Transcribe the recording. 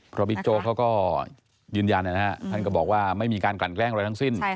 เพราะบิ๊กโจ๊กเขาก็ยืนยันนะครับท่านก็บอกว่าไม่มีการกลั่นแกล้งอะไรทั้งสิ้น